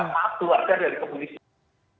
maaf keluarga dari kepolisian